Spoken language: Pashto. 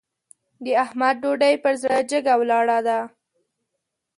د احمد ډوډۍ پر زړه جګه ولاړه ده.